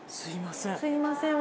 すいません。